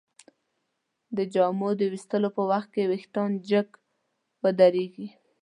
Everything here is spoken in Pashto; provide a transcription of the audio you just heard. د جامو د ویستلو پر وخت وېښتان جګ ودریږي.